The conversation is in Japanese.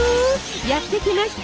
やって来ました